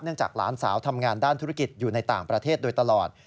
จากหลานสาวทำงานด้านธุรกิจอยู่ในต่างประเทศโดยตลอด